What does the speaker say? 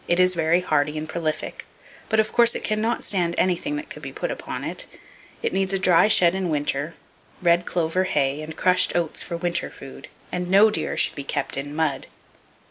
It is very hardy and prolific, but of course it can not stand everything that could be put upon it. It needs a dry shed in winter, red clover hay and crushed oats for winter food; and no deer should be kept in mud.